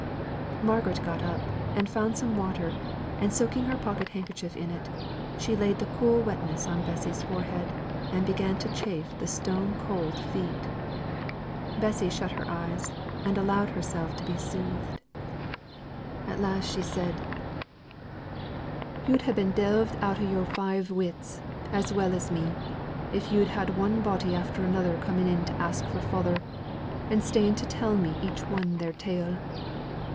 Margaret got up, and found some water; and soaking her pocket handkerchief in it, she laid the cool wetness on Bessy's forehead, and began to chafe the stone cold feet. Bessy shut her eyes, and allowed herself to be soothed. At last she said, "Yo'd ha' been deaved out o' yo'r five wits, as well as me, if yo'd had one body after another coming in to ask for father, and staying to tell me each one their tale.